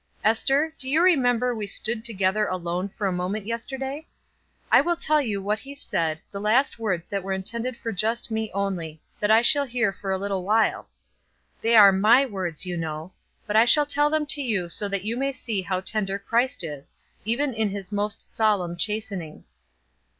"Ester do you remember we stood together alone for a moment yesterday? I will tell you what he said, the last words that were intended for just me only, that I shall hear for a little while; they are my words, you know, but I shall tell them to you so you may see how tender Christ is, even in his most solemn chastenings.